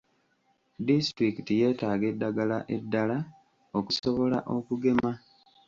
Disitulikiti yeetaaga eddagala eddala okusobola okugema.